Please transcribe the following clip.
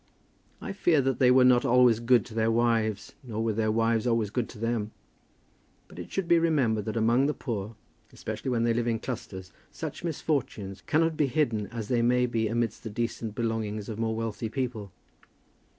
I fear that they were not always good to their wives, nor were their wives always good to them; but it should be remembered that among the poor, especially when they live in clusters, such misfortunes cannot be hidden as they may be amidst the decent belongings of more wealthy people.